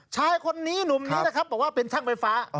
ชายคนนี้หนุ่มนี้นะครับบอกว่าเป็นช่างไฟฟ้า